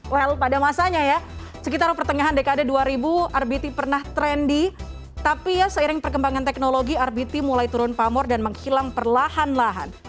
well pada masanya ya sekitar pertengahan dekade dua ribu rbt pernah trendy tapi ya seiring perkembangan teknologi rbt mulai turun pamor dan menghilang perlahan lahan